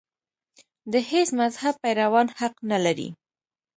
د هېڅ مذهب پیروان حق نه لري.